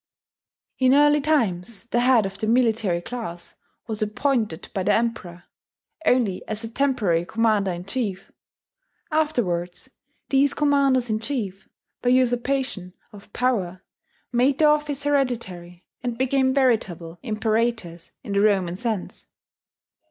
In early times the head of the military class was appointed by the Emperor, only as a temporary commander in chief: afterwards, these commanders in chief, by usurpation of power, made their office hereditary, and became veritable imperatores, in the Roman sense.